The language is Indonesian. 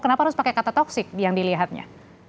kenapa harus pakai kata toksik yang dilihatnya